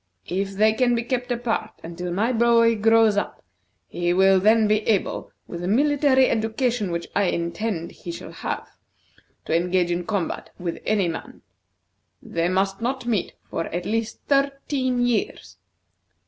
If they can be kept apart until my boy grows up, he will then be able, with the military education which I intend he shall have, to engage in combat with any man. They must not meet for at least thirteen years.